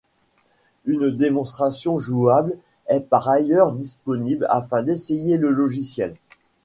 Une démonstration jouable est par ailleurs disponible afin d'essayer le logiciel.